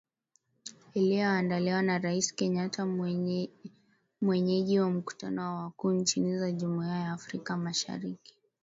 Iliyoandaliwa na Rais Kenyatta mwenyeji wa mkutano wa wakuu wa nchi za Jumuiya ya Afrika mashariki.